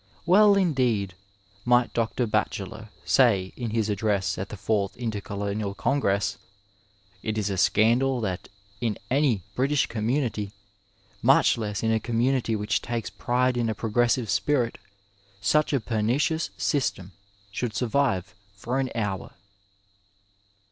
Well, indeed, might Dr. Batchelor, say, in his address at the fourth Intercolonial Congress :'^ It is a scandal that in any British ccMnmnnity, much less in a community which takes pride in a progresaiye spirit, such a pernicious system should survive for an hour."